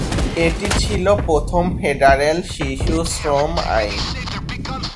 এটি ছিল প্রথম ফেডারেল শিশুশ্রম আইন।